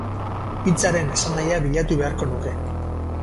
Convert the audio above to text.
Hitzaren esanahia bilatu beharko nuke.